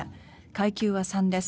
階級は３です。